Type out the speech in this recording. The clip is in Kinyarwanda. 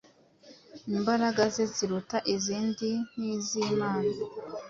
Imbaraga ze ziruta izindi ni iz’Imana.